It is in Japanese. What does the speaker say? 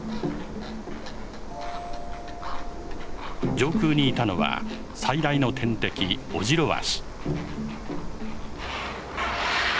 上空にいたのは最大の天敵オジロワシ。